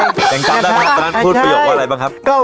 อย่างกับด้านอาจารย์พูดประโยคว่าอะไรบ้างครับ